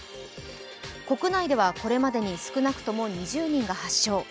国内ではこれまでに少なくとも２０人が発症。